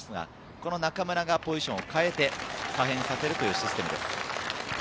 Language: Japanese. この中村がポジションを変えて、可変させるというシステムです。